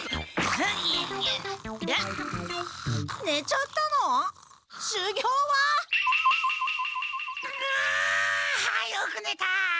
ふあよくねた！